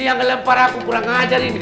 ini yang ngelempar aku kurang ngajarin